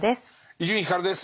伊集院光です。